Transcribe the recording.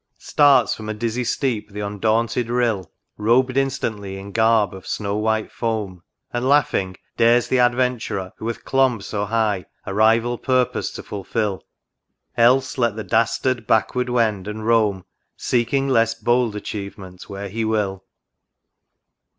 Starts from a dizzy steep the undaunted Rill Rob'd instantly in garb of snow white foam ; And laughing dares the Adventurer, who hath clomb So high, a rival purpose to fulfil ; Else let the Dastard backward wend, and roam, Seeking less bold achievement, where he will